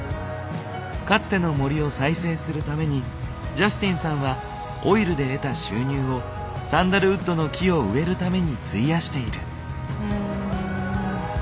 かつての森を再生するためにジャスティンさんはオイルで得た収入をサンダルウッドの木を植えるために費やしている。